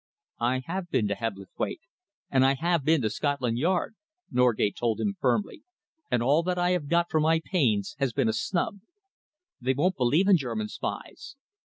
"I have been to Hebblethwaite, and I have been to Scotland Yard," Norgate told him firmly, "and all that I have got for my pains has been a snub. They won't believe in German spies.